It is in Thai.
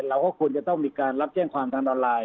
เราก็ควรจะต้องมีการรับแจ้งความทางออนไลน